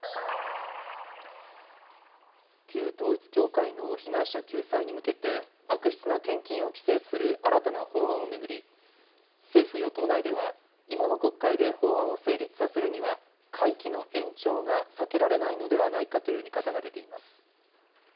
旧統一教会の被害者救済に向けて、悪質な献金を規制する新たな法案を巡り、政府・与党内では、今の国会で法案を成立させるには、会期の延長が避けられないのではないかとの見方が出ています。